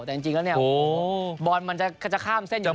แต่จริงแล้วเนี่ยบอลมันจะข้ามเส้นอยู่แล้ว